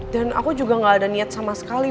dan aku juga gak ada niat sama sekali